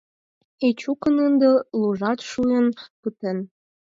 Эчукын ынде лужат шӱйын пытен.